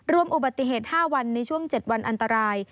รวมอุบัติเหตุ๕วันในช่วง๗วันอันตราย